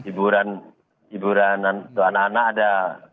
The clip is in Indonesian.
hiburan hiburan untuk anak anak ada